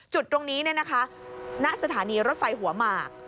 จุดตรงนี้ณสถานีรถไฟหัวหมาก